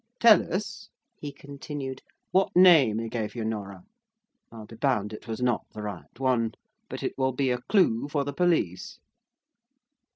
Tell us," he continued, "what name he gave you, Norah? I'll be bound it was not the right one; but it will be a clue for the police."